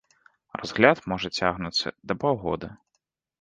Разгляд можа цягнуцца да паўгода.